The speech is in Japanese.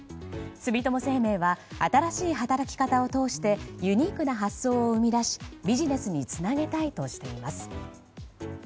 住友生命は新しい働き方を通してユニークな発想を生み出しビジネスにつなげたいとしています。